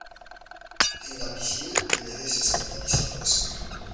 en la piscina y nadie se escandaliza por eso.